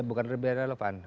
ya bukan lebih relevan